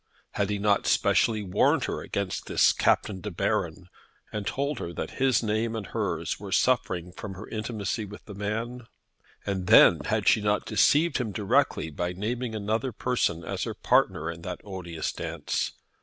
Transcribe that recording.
Had he not specially warned her against this Captain De Baron, and told her that his name and hers were suffering from her intimacy with the man? And then, had she not deceived him directly by naming another person as her partner in that odious dance?